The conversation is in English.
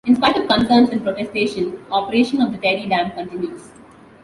In spite of concerns and protestation, operation of the Tehri Dam continues.